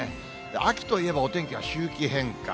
秋といえばお天気は周期変化。